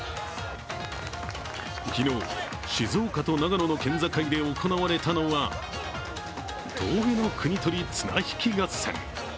昨日、静岡と長野の県境で行われたのは峠の国盗り綱引き合戦。